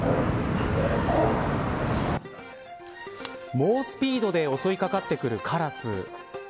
猛スピードで襲い掛かってくるカラス。